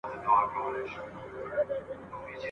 د ايمل بابا دغرونو ..